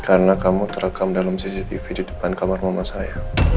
karena kamu terekam dalam cctv di depan kamar mama saya